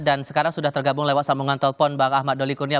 dan sekarang sudah tergabung lewat sambungan telepon bang ahmad doli kurnia